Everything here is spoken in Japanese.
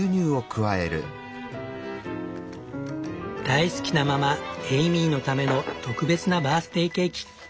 大好きなママエイミーのための特別なバースデーケーキ。